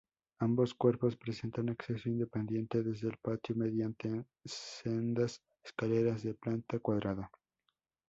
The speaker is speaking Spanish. Ambos cuerpos presentan acceso independiente desde el patio mediante sendas escaleras de planta cuadrada.